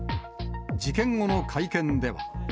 事件後の会見では。